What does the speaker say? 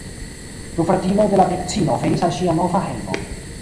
Du fratinoj de la princino venis al ŝia nova hejmo.